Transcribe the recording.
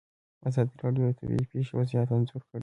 ازادي راډیو د طبیعي پېښې وضعیت انځور کړی.